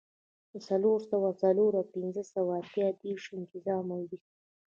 د څلور سوه څلور او پنځه سوه اته دیرشو انتظار مو وېست.